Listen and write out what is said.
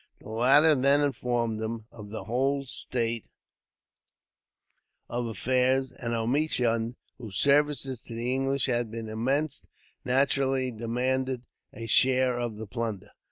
The latter then informed him of the whole state of affairs, and Omichund, whose services to the English had been immense, naturally demanded a share of the plunder.